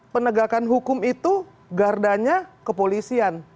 penegakan hukum itu gardanya kepolisian